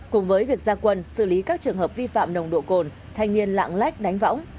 cùng với việc gia quân xử lý các trường hợp vi phạm nồng độ cồn thanh niên lạng lách đánh võng